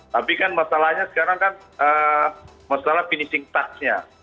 tapi kan masalahnya sekarang kan masalah finishing touch nya